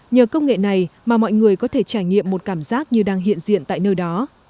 nhờ công nghệ này mà mọi người có thể trải nghiệm một cảm giác như đang hiện diện tại nơi đó